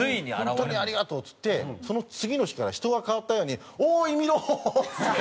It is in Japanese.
「本当にありがとう」っつってその次の日から人が変わったように「おーい見ろ！」っつって。